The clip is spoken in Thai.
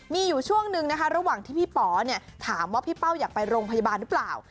มีอยู่ช่วงนึงนะคะระหว่างที่พี่ป๋อถามว่าพี่เป้าอยากไปโรงพยาบาลหรือเปล่า